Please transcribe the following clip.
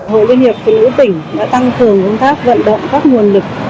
hội liên hiệp phụ nữ tỉnh đã tăng cường công tác vận động các nguồn lực